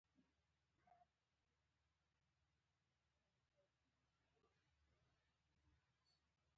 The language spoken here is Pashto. د ریفورمونو مبارزې او قربانۍ.